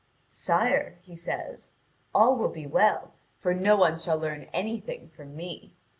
"Sire," he says, "all will be well, for no one shall learn anything from me.